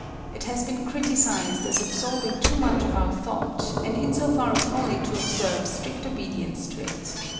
It has been criticized as absorbing too much of our thought and in so far a folly to observe strict obedience to it.